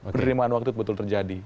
penerimaan waktu itu betul terjadi